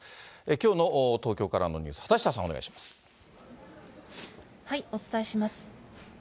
きょうの東京からのニュース、畑お伝えします。